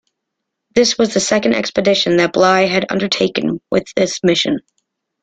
This was the second expedition that Bligh had undertaken with this mission.